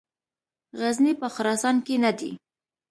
غزني په خراسان کې نه دی.